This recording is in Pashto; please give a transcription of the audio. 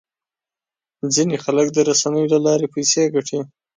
ځینې خلک د رسنیو له لارې پیسې ګټي.